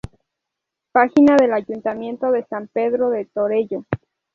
Página del Ayuntamiento de San Pedro de Torelló